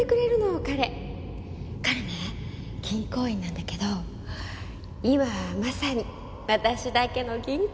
彼ね銀行員なんだけど今はまさに私だけの銀行。